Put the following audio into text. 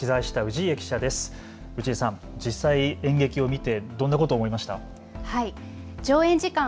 氏家さん、実際に演劇を見てどんなことを思いましたか。